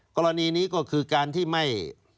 กรณีนี้ก็คือการที่ไม่